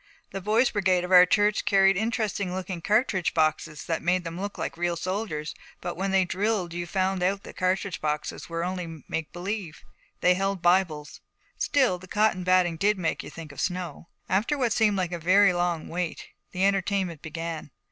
The Boys Brigade of our church carried interesting looking cartridge boxes, that made them look like real soldiers; but when they drilled you found out that the cartridge boxes were only make believe. They held Bibles. Still, the cotton batting did make you think of snow. After what seemed like a very long wait the entertainment began.